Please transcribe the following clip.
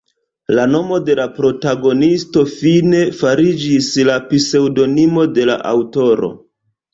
La nomo de la protagonisto fine fariĝis la pseŭdonimo de la aŭtoro.